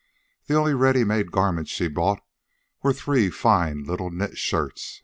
The only ready made garments she bought were three fine little knit shirts.